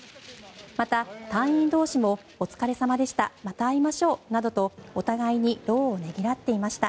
また、隊員同士もお疲れ様でしたまた会いましょうなどとお互いに労をねぎらっていました。